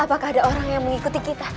tapi raka apakah ada orang yang mengikuti kita